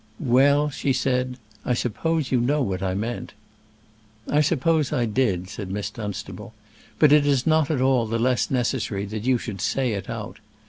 "Well," she said, "I suppose you know what I meant." "I suppose I did," said Miss Dunstable; "but it is not at all the less necessary that you should say it out.